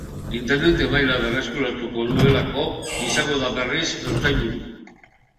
Intendente maila berreskuratuko duelako izango da berriz ertzainburu.